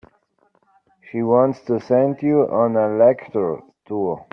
She wants to send you on a lecture tour.